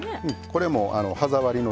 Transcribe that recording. これも歯触りのためで。